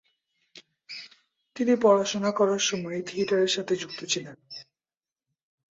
তিনি পড়াশোনা করার সময়েই থিয়েটার এর সাথে যুক্ত ছিলেন।